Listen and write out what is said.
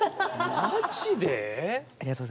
マジで？